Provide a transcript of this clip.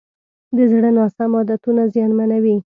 د زړه ناسم عادتونه زیانمنوي.